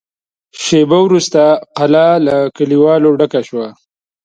شېبه وروسته کلا له کليوالو ډکه شوه.